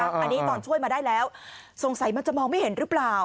อันนี้ตอนช่วยมาได้แล้วสงสัยมันจะมองไม่เห็นหรือเปล่า